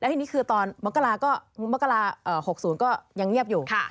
ทีนี้คือตอนมกรา๖๐ก็ยังเงียบอยู่